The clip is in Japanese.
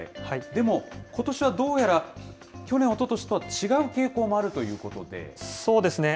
でも、ことしはどうやら去年、おととしとは違う傾向もあるというそうですね。